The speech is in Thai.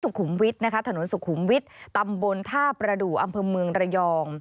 สุขุมวิทย์นะคะถนนสุขุมวิทย์ตำบลท่าประดูกอำเภอเมืองระยอง